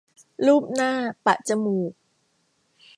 ลูบหน้าปะจมูก